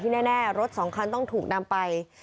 แน่รถสองคันต้องถูกนำไป